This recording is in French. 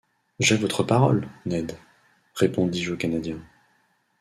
J’ai votre parole, Ned, » répondis-je au Canadien.